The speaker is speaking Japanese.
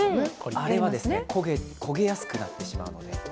あれは焦げやすくなってしまうので。